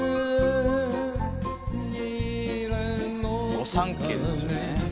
御三家ですよね。